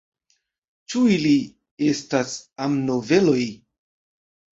Ĉu ili estas amnoveloj?